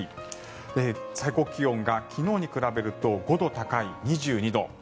最高気温が昨日に比べると５度高い２２度。